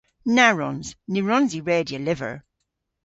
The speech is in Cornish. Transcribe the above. Na wrons. Ny wrons i redya lyver.